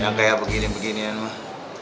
yang kayak begini beginian mah